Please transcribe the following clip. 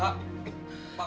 iya pak ya